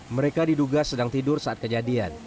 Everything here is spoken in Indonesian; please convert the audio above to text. mereka diduga sedang tidur saat kejadian